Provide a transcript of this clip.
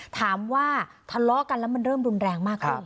ถามว่าทะเลาะกันแล้วมันเริ่มรุนแรงมาก